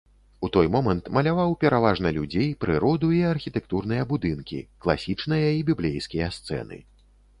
У той момант маляваў пераважна людзей, прыроду і архітэктурныя будынкі, класічныя і біблейскія сцэны.